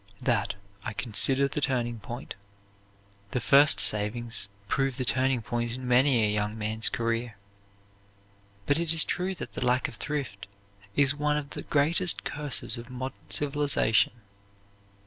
That I consider the turning point." The first savings prove the turning point in many a young man's career. But it is true that the lack of thrift is one of the greatest curses of modern civilization.